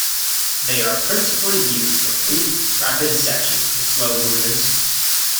They are principally used for brief, rapid sections in slow movements.